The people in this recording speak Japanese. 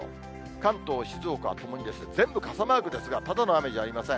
関東、静岡はともに全部傘マークですが、ただの雨じゃありません。